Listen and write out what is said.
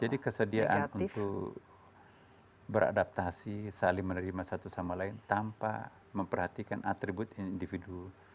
jadi kesediaan untuk beradaptasi saling menerima satu sama lain tanpa memperhatikan atribut individu